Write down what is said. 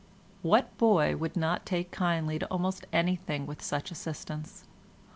What boy would not take kindly to almost anything with such assistance?